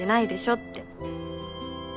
って。